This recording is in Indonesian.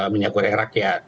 minyak goreng rakyat